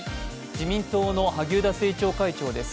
自民党の萩生田政調会長です。